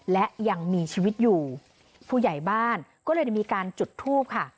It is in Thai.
และยังมีชีวิตอยู่ผู้ใหญ่บ้านก็เลยมีการจุดทูปค่ะ